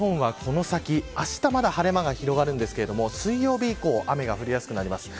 西日本は、この先あしたまだ晴れ間が広がるんですが水曜日以降は雨が降りやすくなります。